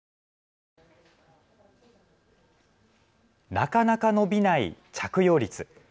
なかなか伸びない着用率。